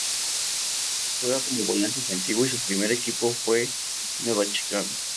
Juega como volante ofensivo y su primer equipo fue Nueva Chicago.